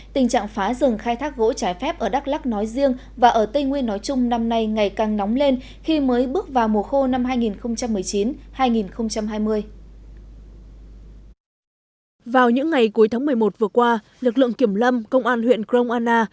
tình trạng phá rừng khai thác gỗ trái phép ở đắk lắc nói riêng và ở tây nguyên nói chung năm nay ngày càng nóng lên khi mới bước vào mùa khô năm hai nghìn một mươi chín hai nghìn hai mươi